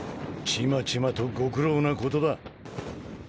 ちまちまとご苦労なことだ。